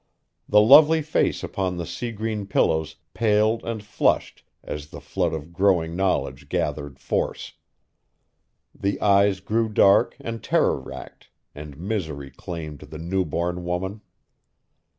The lovely face upon the sea green pillows paled and flushed as the flood of growing knowledge gathered force. The eyes grew dark and terror racked, and misery claimed the newborn woman.